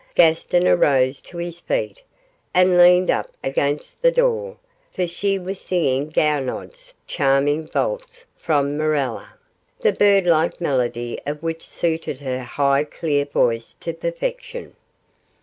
Gaston arose to his feet, and leaned up against the door, for she was singing Gounod's charming valse from 'Mirella', the bird like melody of which suited her high clear voice to perfection.